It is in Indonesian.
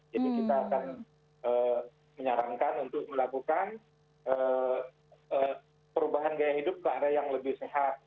jadi kita akan menyarankan untuk melakukan perubahan gaya hidup ke area yang lebih sehat